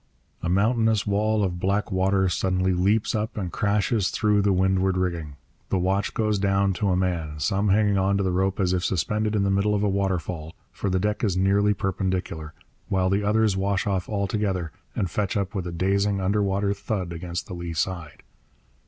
A mountainous wall of black water suddenly leaps up and crashes through the windward rigging. The watch goes down to a man, some hanging on to the rope as if suspended in the middle of a waterfall, for the deck is nearly perpendicular, while others wash off altogether and fetch up with a dazing, underwater thud against the lee side.